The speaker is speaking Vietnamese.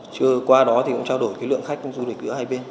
trước qua đó thì cũng trao đổi lượng khách du lịch giữa hai bên